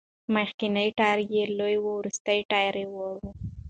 مخکېنی ټایر یې لوی و، وروستی ټایر وړه و.